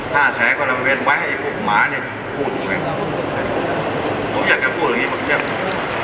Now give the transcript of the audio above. ห้าแชกว่าละเวียนไว้ให้ไอ้ปุ๊บหมาเนี่ยพูดอยู่ไหนผมอยากจะพูดอย่างงี้บางทีนะครับ